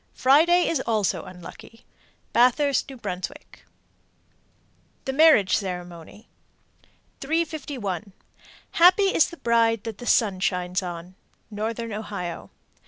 Friday is also unlucky. Bathurst, N.B. THE MARRIAGE CEREMONY. 351. Happy is the bride that the sun shines on. _Northern Ohio.